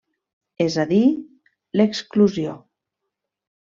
És a dir, l’exclusió.